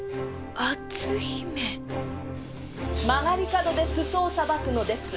曲がり角で裾をさばくのです。